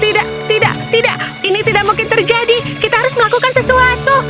tidak tidak tidak ini tidak mungkin terjadi kita harus melakukan sesuatu